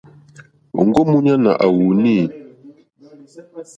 Òŋɡó múɲánà à wùùnî.